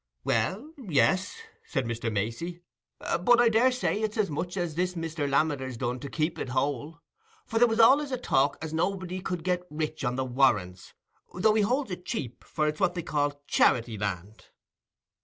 "Well, yes," said Mr. Macey; "but I daresay it's as much as this Mr. Lammeter's done to keep it whole. For there was allays a talk as nobody could get rich on the Warrens: though he holds it cheap, for it's what they call Charity Land."